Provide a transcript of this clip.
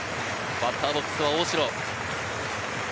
バッターボックスは大城。